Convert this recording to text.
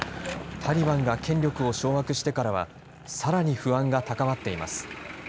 タリバンが権力を掌握してからは、さらに不安が高まっています。